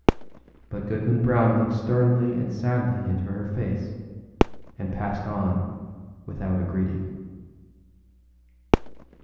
But Goodman Brown looked sternly and sadly into her face, and passed on without a greeting.